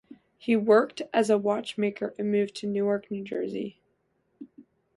He worked as a watchmaker and moved to Newark, New Jersey.